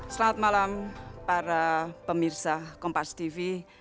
selamat malam para pemirsa kompastv